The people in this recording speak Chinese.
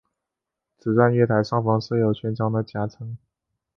此站月台上方设有全长的夹层。